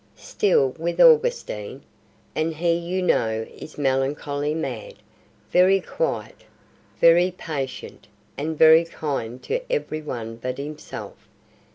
"Still with Augustine, and he you know is melancholy mad: very quiet, very patient, and very kind to every one but himself.